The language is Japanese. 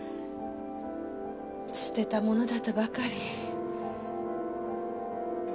捨てたものだとばかり。